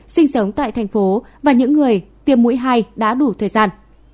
sinh sống tại thành phố và những người tiêm mũi hai đã đủ thời gian